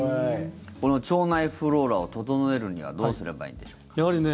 この腸内フローラを整えるにはどうすればいいんでしょうか。